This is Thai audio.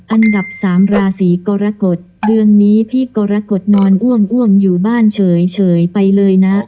อันดับสามราศีกรกฎเดือนนี้พี่กรกฎนอนอ้วมอยู่บ้านเฉยไปเลยนะ